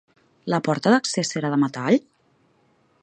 La porta d'accés era de metall?